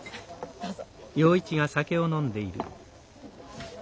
どうぞ。